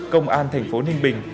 công an thành phố ninh bình